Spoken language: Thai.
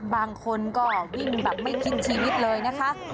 บางคนก็วิ่งแบบไม่คิดชีวิตเลยนะคะ